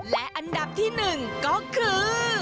และอันดับที่หนึ่งก็คือ